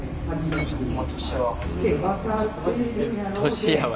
年やわ。